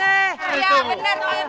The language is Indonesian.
iya bener pak rt